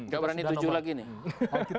gak berani tujuh lagi nih